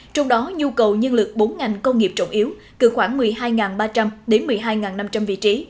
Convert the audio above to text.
trong đó nhu cầu nhân lực bốn ngành công nghiệp trọng yếu cự khoảng một mươi hai ba trăm linh đến một mươi hai năm trăm linh vị trí